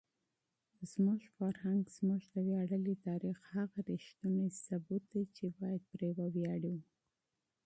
زموږ فرهنګ زموږ د ویاړلي تاریخ هغه ریښتونی ثبوت دی چې باید پرې وویاړو.